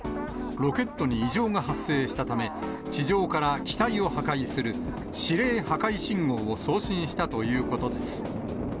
ロケットに異常が発生したため、地上から機体を破壊する指令破壊信号を送信したということです。